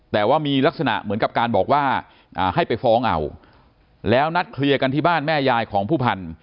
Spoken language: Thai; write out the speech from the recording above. แต่ว่ามีลักษณะเหมือนกับการบอกว่าให้ไปฟ้องเอาแล้วนัดเคลียร์กันที่บ้านแม่ยายของผู้พันธุ